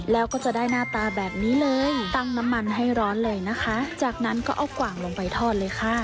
แล้วก็จะได้หน้าตาแบบนี้เลยตั้งน้ำมันให้ร้อนเลยนะคะจากนั้นก็เอากว่างลงไปทอดเลยค่ะ